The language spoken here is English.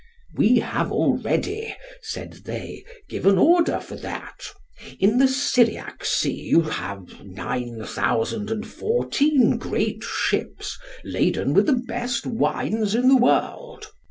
We have already, said they, given order for that. In the Syriac sea you have nine thousand and fourteen great ships laden with the best wines in the world.